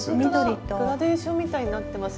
グラデーションみたいになってます。